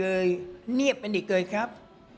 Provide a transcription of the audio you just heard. คุณพี่สมบูรณ์สังขทิบ